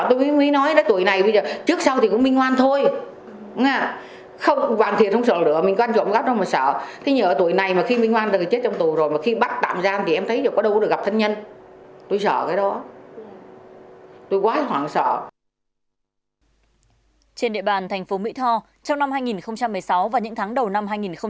trên địa bàn thành phố mỹ tho trong năm hai nghìn một mươi sáu và những tháng đầu năm hai nghìn một mươi bảy